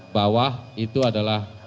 bawah itu adalah